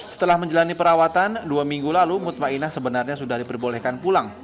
setelah menjalani perawatan dua minggu lalu mutmainah sebenarnya sudah diperbolehkan pulang